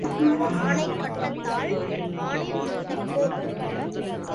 ஆனை கட்டத் தாள் வானை முட்டப் போர்.